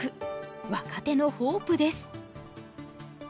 若手のホープです。